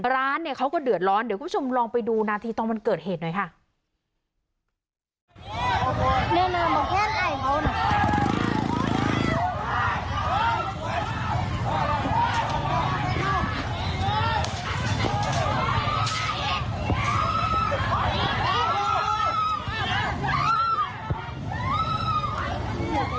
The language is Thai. ร้านเนี่ยเขาก็เดือดร้อนเดี๋ยวคุณผู้ชมลองไปดูนาทีตอนวันเกิดเหตุหน่อยค่ะ